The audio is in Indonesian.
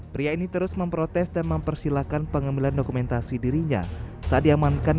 pria ini terus memprotes dan mempersilahkan pengambilan dokumentasi dirinya saat diamankan